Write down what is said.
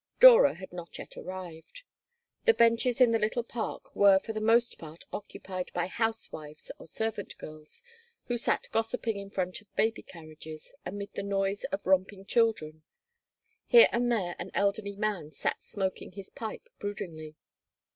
Dora had not yet arrived. The benches in the little park were for the most part occupied by housewives or servant girls who sat gossiping in front of baby carriages, amid the noise of romping children. Here and there an elderly man sat smoking his pipe broodingly.